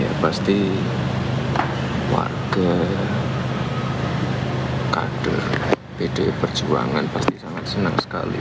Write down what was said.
ya pasti warga kader pdi perjuangan pasti sangat senang sekali